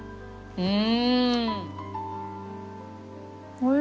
うん。